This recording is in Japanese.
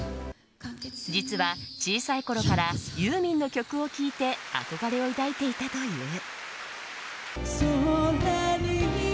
実は小さいころからユーミンの曲を聴いて憧れを抱いていたという。